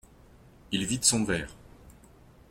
Il vide son verre.